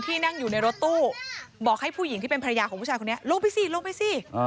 นั่งอยู่ในรถตู้บอกให้ผู้หญิงที่เป็นภรรยาของผู้ชายคนนี้ลงไปสิลงไปสิ